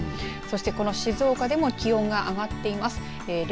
そして、この静岡でも気温が上がっています。